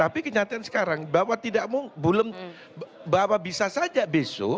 tapi kenyataan sekarang bahwa tidak mau belum bahwa bisa saja besok